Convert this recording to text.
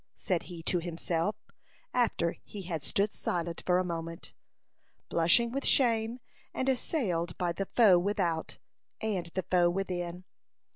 said he to himself, after he had stood silent for a moment, blushing with shame, and assailed by the foe without and the foe within.